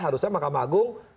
harusnya mahkamah agung